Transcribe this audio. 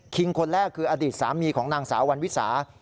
คนแรกคืออดีตสามีของนางสาววันวิสา